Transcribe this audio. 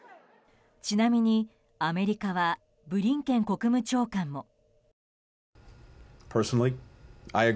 ちなみに、アメリカはブリンケン国務長官も。